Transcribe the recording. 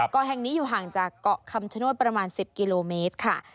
เกาะแห่งนี้อยู่ห่างจากเกาะคำชโนธประมาณ๑๐กิโลเมตรค่ะ